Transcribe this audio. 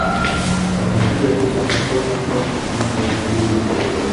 Wanaopiga picha kutoka kote duniani wenye riba